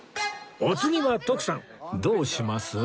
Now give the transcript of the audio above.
お次は徳さんどうします？